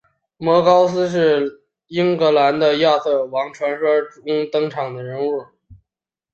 摩高斯是英格兰的亚瑟王传说中登场的人物。